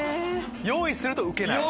用意するとウケない？